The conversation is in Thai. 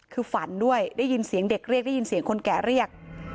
คือฝันด้วยได้ยินเสียงเด็กเรียกได้ยินเสียงคนแก่เรียก